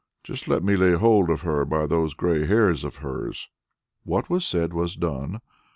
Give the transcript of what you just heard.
Just let me lay hold of her by those grey hairs of hers!" What was said was done.